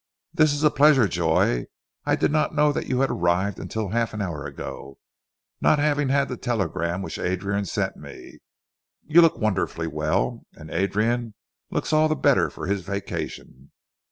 "This is a pleasure, Joy. I did not know that you had arrived until half an hour ago, not having had the telegram which Adrian sent me. You look wonderfully well, and Adrian looks all the better for his vacation.